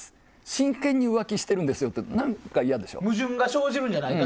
真剣に浮気してるんですよって何か嫌でしょ。